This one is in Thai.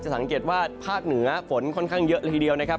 สังเกตว่าภาคเหนือฝนค่อนข้างเยอะเลยทีเดียวนะครับ